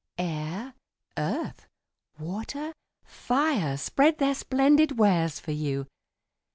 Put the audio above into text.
Air, earth, water, fire, spread their splendid wares for you.